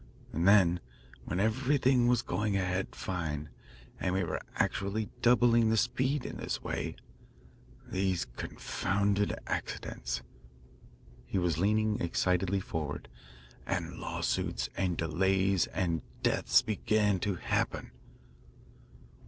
And then, when everything was going ahead fine, and we were actually doubling the speed in this way, these confounded accidents" he was leaning excitedly forward " and lawsuits and delays and deaths began to happen."